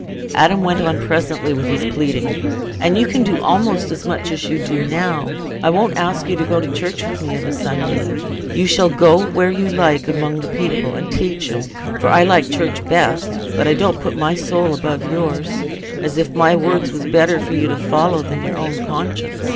Adam went on presently with his pleading, "And you can do almost as much as you do now. I won't ask you to go to church with me of a Sunday. You shall go where you like among the people, and teach 'em; for though I like church best, I don't put my soul above yours, as if my words was better for you to follow than your own conscience.